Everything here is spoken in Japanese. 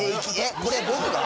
これ僕が！？